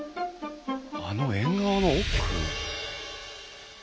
あの縁側の奥。